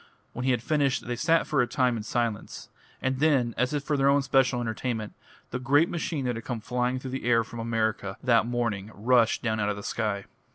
When he had finished they sat for a time in silence; and then, as if for their special entertainment, the great machine that had come flying through the air from America that morning rushed down out of the sky.